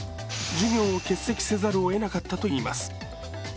授業を欠席せざるをえなかったといいます。